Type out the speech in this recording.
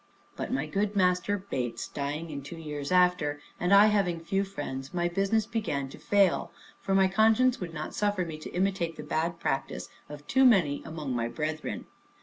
But, my good master Bates dying in two years after, and I having few friends, my business began to fail; for my conscience would not suffer me to imitate the bad practice of too many among my brethren.